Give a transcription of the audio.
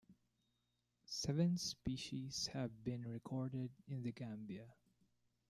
Seven species have been recorded in the Gambia.